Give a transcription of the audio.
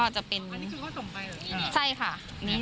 ใช่ค่ะ